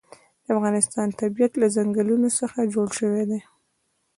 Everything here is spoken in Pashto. د افغانستان طبیعت له ځنګلونه څخه جوړ شوی دی.